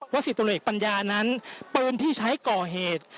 ว่าศิษย์ตลอดเอกปัญญานั้นปืนที่ใช้ก่อเหตุ